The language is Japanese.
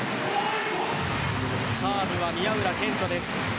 サーブは宮浦健人です。